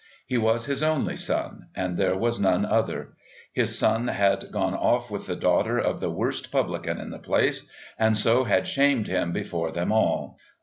He was his only son, and there was none other. His son had gone off with the daughter of the worst publican in the place, and so had shamed him before them all.